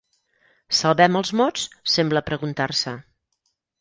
¿Salvem els mots?, sembla preguntar-se.